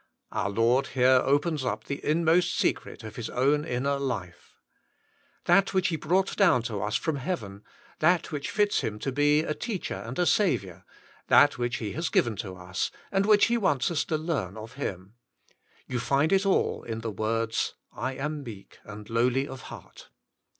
Our Lord here opens up the inmost secret of His own inner life. That which He brought down to us from heaven : that which fits Him to be a Teacher and a Saviour ; that which He has given to us, and which He wants us to learn of Him: you find it all in the words, " I am meek and lowly of heart.''